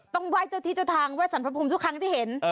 ไหว้เจ้าที่เจ้าทางไห้สรรพภูมิทุกครั้งที่เห็น